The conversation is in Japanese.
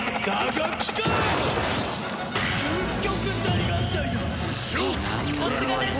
さすがです！